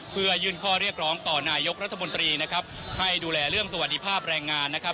เพื่อยื่นข้อเรียกร้องต่อนายกรัฐมนตรีนะครับให้ดูแลเรื่องสวัสดีภาพแรงงานนะครับ